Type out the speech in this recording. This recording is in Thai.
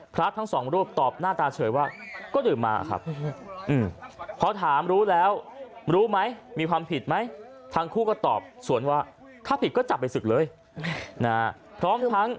พระทางสองรูปตอบหน้าตาเฉยว่า